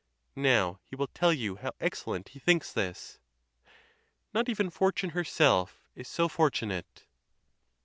Now he will tell you how excellent he thinks this: Not even fortune herself is so fortunate.